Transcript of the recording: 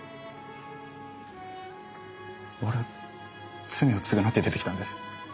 俺罪を償って出てきたんです。